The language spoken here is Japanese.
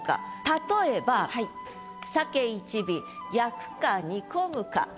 例えば「鮭一尾焼くか煮込むか」